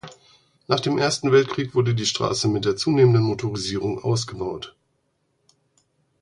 Nach dem Ersten Weltkrieg wurde die Straße mit der zunehmenden Motorisierung ausgebaut.